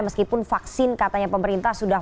meskipun vaksin katanya pemerintah sudah